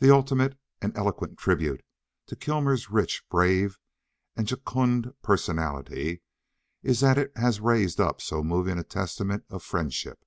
The ultimate and eloquent tribute to Kilmer's rich, brave, and jocund personality is that it has raised up so moving a testament of friendship.